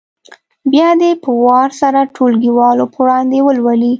بیا دې په وار سره ټولګیوالو په وړاندې ولولي.